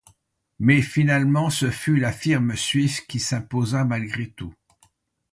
Mais finalement, ce fut la firme suisse qui s'imposa malgré tout.